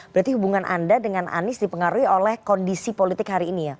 berarti hubungan anda dengan anies dipengaruhi oleh kondisi politik hari ini ya